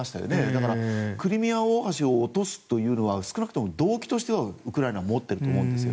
だからクリミア大橋を落とすというのは少なくても動機としてはウクライナは持っていると思います。